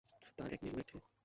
তার এক মেয়ে এবং এক ছেলে।